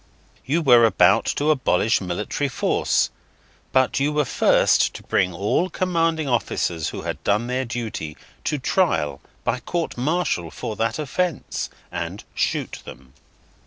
You were to abolish military force, but you were first to bring all commanding officers who had done their duty, to trial by court martial for that offence, and shoot them.